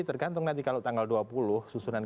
tergantung nanti kalau tanggal dua puluh susunan